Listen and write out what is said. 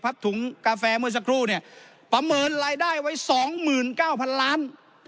พับถุงกาแฟเมื่อสักครู่เนี่ยประเมินรายได้ไว้สองหมื่นเก้าพันล้าน